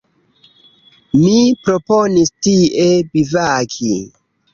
Mi proponis tie bivaki.